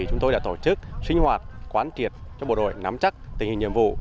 chúng tôi đã tổ chức sinh hoạt quán triệt cho bộ đội nắm chắc tình hình nhiệm vụ